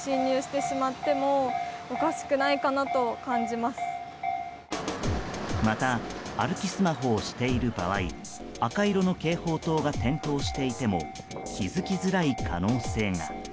また歩きスマホをしている場合赤色の警報灯が点灯していても気づきづらい可能性が。